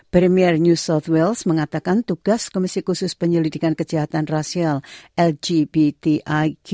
premier new south wales mengatakan tugas komisi khusus penyelidikan kejahatan rasial lgbtig